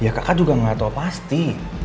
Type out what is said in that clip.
ya kakak juga gak tau pasti